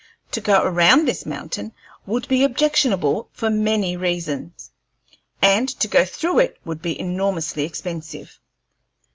To go round this mountain would be objectionable for many reasons, and to go through it would be enormously expensive.